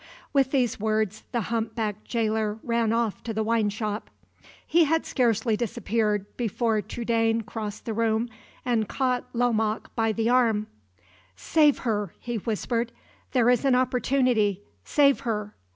With these words, the humpbacked jailer ran off to the wine shop. He had scarcely disappeared before Trudaine crossed the room, and caught Lomaque by the arm. "Save her," he whispered; "there is an opportunity save her!"